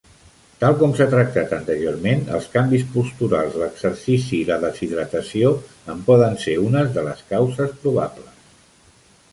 Tal com s'ha tractat anteriorment, els canvis posturals, l'exercici i la deshidratació en poden ser unes de les causes probables.